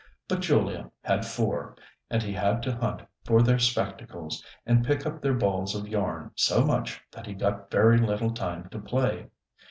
But Julia had four, and he had to hunt for their spectacles, and pick up their balls of yarn so much that he got very little time to play.